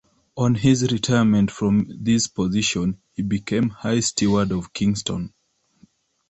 On his retirement from this position he became High Steward of Kingston.